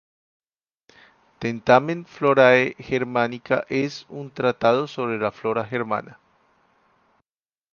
Tentamen florae germanica es un tratado sobre la flora germana.